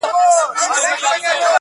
شاعر او شاعره.